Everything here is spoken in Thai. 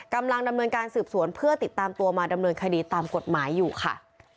กำลังดำเนินการสืบสวนเพื่อติดตามตัวมาดำเนินคดีตามกฎหมายอยู่ค่ะ